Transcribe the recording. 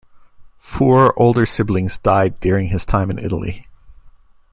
Four older siblings died during his time in Italy.